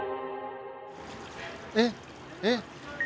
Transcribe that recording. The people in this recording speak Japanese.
えっえっ。